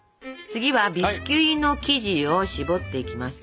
次はビスキュイの生地を絞っていきます。